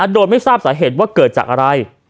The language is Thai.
โดยไม่ทราบสาเหตุว่าเกิดจากอะไร